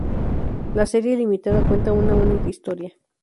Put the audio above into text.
La serie limitada cuenta una única historia.